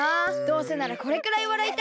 どうせならこれくらいわらいたい。